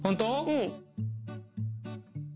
うん。